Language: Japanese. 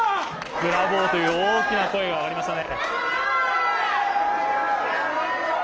ブラボーという大きな声が上がりましたね。